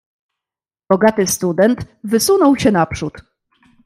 "Bogaty student wysunął się naprzód."